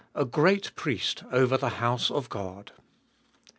A GREAT PRIEST OVER THE HOUSE OF GOD.